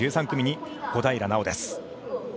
１３組に小平奈緒です。